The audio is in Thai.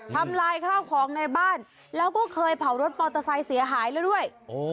ทำลายข้าวของในบ้านแล้วก็เคยเผารถมอเตอร์ไซค์เสียหายแล้วด้วย